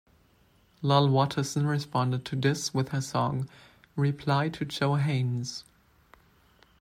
Lal Waterson responded to this with her song "Reply To Joe Haines".